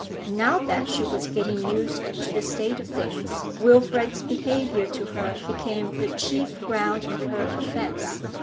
Now that she was getting used to the state of things, Wilfrid's behaviour to her became the chief ground of her offence.